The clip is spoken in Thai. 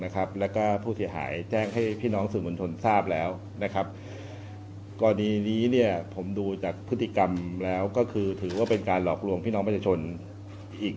แล้วก็ผู้เสียหายแจ้งให้พี่น้องสื่อมวลชนทราบแล้วนะครับกรณีนี้ผมดูจากพฤติกรรมแล้วก็คือถือว่าเป็นการหลอกลวงพี่น้องประชาชนอีก